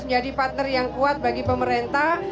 menjadi partner yang kuat bagi pemerintah